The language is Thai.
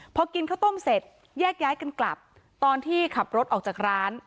พอกินข้าวต้มเสร็จแยกย้ายกันกลับตอนที่ขับรถออกจากร้าน